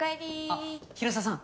あっ広沢さん。